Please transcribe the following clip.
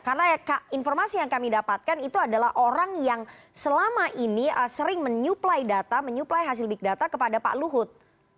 karena informasi yang kami dapatkan itu adalah orang yang selama ini sering menyuplai data menyuplai hasil big data kepada pak luhut